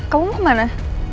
kamu mau kemana